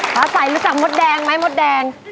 ฟ้าใสรู้จักมดแดงไหมมดแดง